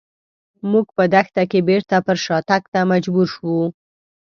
موږ په دښته کې بېرته پر شاتګ ته مجبور شوو.